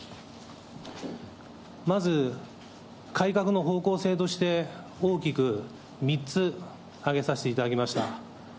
まず改革の方向性として、大きく３つ挙げさせていただきました。